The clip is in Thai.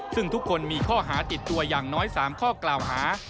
ซึ่งทุกคนมีข้อหาติดตัวอย่างน้อย๓ข้อกล่าวหา